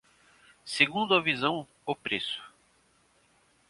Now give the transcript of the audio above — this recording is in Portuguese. Segundo a visão, o preço.